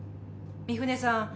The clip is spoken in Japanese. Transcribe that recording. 三船さん